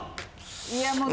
いやもう。